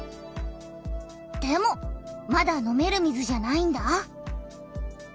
でもまだ飲める水じゃないんだ。